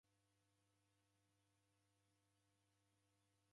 Simkunde kavui na inmoni.